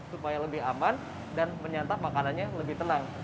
supaya lebih aman dan menyantap makanannya lebih tenang